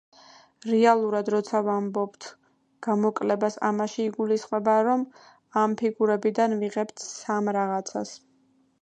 რეალურად, როცა ვამბობთ გამოკლებას ამაში იგულისხმება, რომ ამ ფიგურებიდან ვიღებთ სამ რაღაცას.